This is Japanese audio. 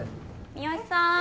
三好さん。